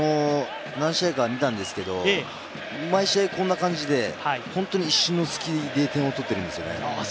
何試合か見たんですが、毎試合こんな感じで、本当に一瞬の隙で点を取っているんですよね。